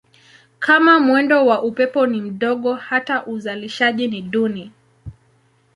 Kama mwendo wa upepo ni mdogo hata uzalishaji ni duni.